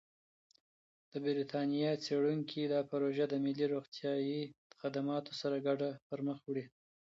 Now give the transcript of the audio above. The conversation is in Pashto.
د بریتانیا څېړونکي دا پروژه د ملي روغتیايي خدماتو سره ګډه پرمخ وړي.